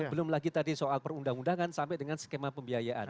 belum lagi tadi soal perundang undangan sampai dengan skema pembiayaan